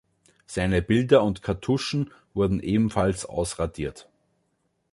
Seine Bilder und Kartuschen wurden ebenfalls ausradiert.